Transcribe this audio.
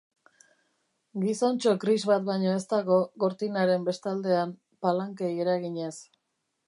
Gizontxo gris bat baino ez dago gortinaren bestaldean, palankei eraginez.